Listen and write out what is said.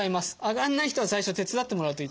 上がらない人は最初手伝ってもらうと。